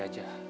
udah siap tuh